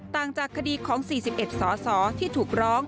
ต่างจากคดีของ๔๑สสที่ถูกร้อง